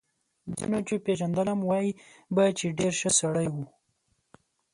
ځینو چې پېژندلم وايي به چې ډېر ښه سړی و